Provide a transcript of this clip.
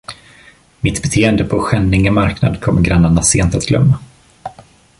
Mitt beteende på Skänninge marknad kommer grannarna sent att glömma.